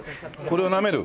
これをなめる？